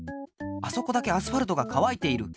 あそこだけアスファルトがかわいている。